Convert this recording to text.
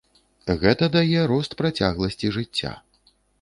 Гэта дае рост працягласці жыцця.